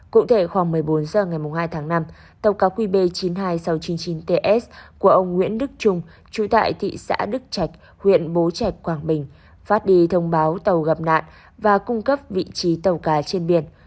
cụ thể khoảng một mươi bốn h ngày hai tháng năm tàu cá qb chín mươi hai nghìn sáu trăm chín mươi chín ts của ông nguyễn đức trung chú tại thị xã đức trạch huyện bố trạch quảng bình phát đi thông báo tàu gặp nạn và cung cấp vị trí tàu cá trên biển